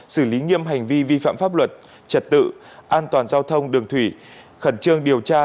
xử lý nghiêm hành vi vi phạm pháp luật trật tự an toàn giao thông đường thủy khẩn trương điều tra